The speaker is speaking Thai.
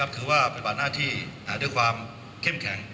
ถือว่าปฏิบัติหน้าที่ด้วยความเข้มแข็ง